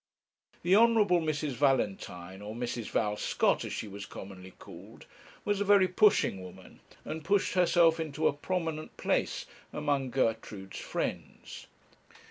The Hon. Mrs. Valentine, or Mrs. Val Scott as she was commonly called, was a very pushing woman, and pushed herself into a prominent place among Gertrude's friends.